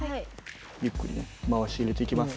ゆっくりね回し入れていきます。